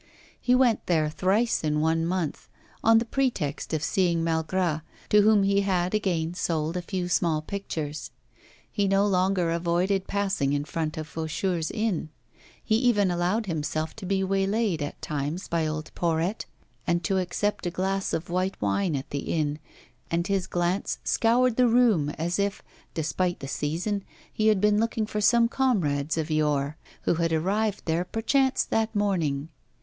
He went there thrice in one month, on the pretext of seeing Malgras, to whom he had, again, sold a few small pictures. He no longer avoided passing in front of Faucheur's inn; he even allowed himself to be waylaid at times by old Porrette, and to accept a glass of white wine at the inn, and his glance scoured the room as if, despite the season, he had been looking for some comrades of yore, who had arrived there, perchance, that morning.